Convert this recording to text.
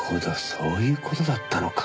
そういう事だったのか。